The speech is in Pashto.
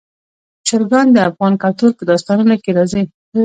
چرګان د افغان کلتور په داستانونو کې راځي.